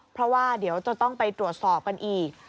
เพราะว่าเดี๋ยวจะต้องไปตรวจสอบกันอีก